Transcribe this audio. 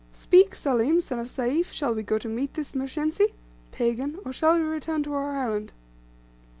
Speak, Salim, son of Sayf, shall we go to meet this Mshensi (pagan) or shall we return to our island?"